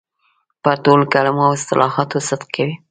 پر ټولو کلمو او اصطلاحاتو صدق کوي.